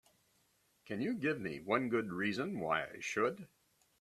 Can you give me one good reason why I should?